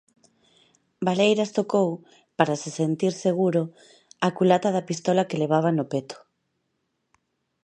Valeiras tocou, para se sentir seguro, a culata da pistola que levaba no peto.